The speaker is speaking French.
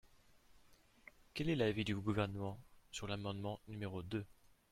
Quel est l’avis du Gouvernement sur l’amendement numéro deux?